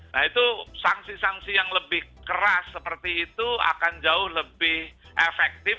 nah itu sanksi sanksi yang lebih keras seperti itu akan jauh lebih efektif